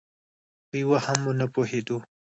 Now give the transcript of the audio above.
په یوه هم ونه پوهېدو.